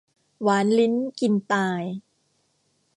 หวานลิ้นกินตาย